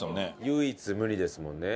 唯一無二ですもんね。